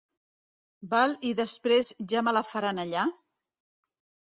Val i després ja me la faran allà?